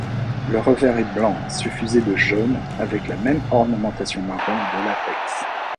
Le revers est blanc suffusé de jaune avec la même ornementation marron de l'apex.